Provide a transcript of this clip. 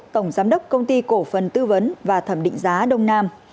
tổng giám đốc công ty cổ phần tư vấn và thẩm định giá đông nam